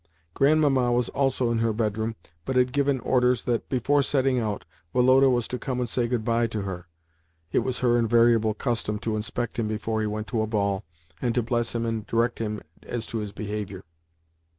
Grandmamma was also in her bedroom, but had given orders that, before setting out, Woloda was to come and say goodbye to her (it was her invariable custom to inspect him before he went to a ball, and to bless him and direct him as to his behaviour).